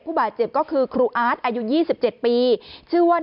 บาดเจ็บก็คือครูอาร์ตอายุ๒๗ปีชื่อว่า